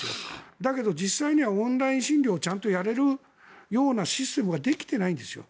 だけど実際にはオンライン診療をちゃんとやれるようなシステムができてないんですよ。